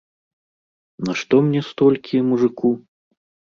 Нашто мне столькі, мужыку?